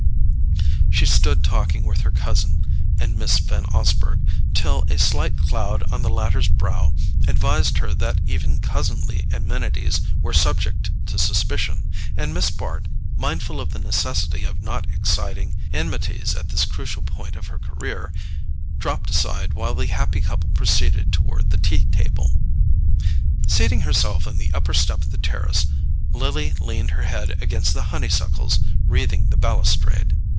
She stood talking with her cousin and Miss Van Osburgh, till a slight cloud on the latter's brow advised her that even cousinly amenities were subject to suspicion, and Miss Bart, mindful of the necessity of not exciting enmities at this crucial point of her career, dropped aside while the happy couple proceeded toward the tea table. Seating herself on the upper step of the terrace, Lily leaned her head against the honeysuckles wreathing the balustrade.